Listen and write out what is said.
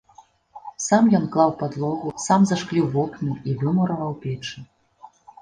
Сам ён клаў падлогу, сам зашкліў вокны і вымураваў печы.